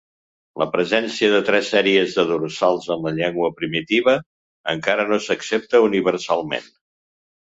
La presència de tres sèries de dorsals en la llengua primitiva encara no s'accepta universalment.